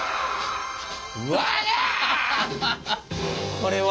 これは？